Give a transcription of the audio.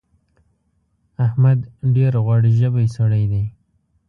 احمد ډېر غوړ ژبی سړی دی.